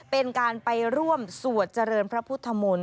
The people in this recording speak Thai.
เป็นการไปร่วมสวดเจริญพระพุทธมนตร์